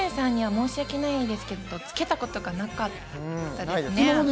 申しわけないですけど、つけたことがなかったですね。